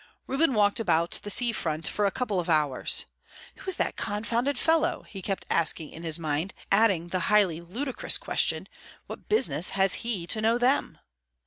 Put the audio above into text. Reuben walked about the sea front for a couple of hours. "Who is that confounded fellow?" he kept asking in his mind, adding the highly ludicrous question, "What business has he to know them?"